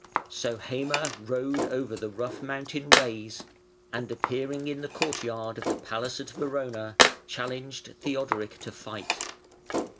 So Heime rode over the rough mountain ways, and appearing in the court yard of the palace at Verona, challenged Theodoric to fight.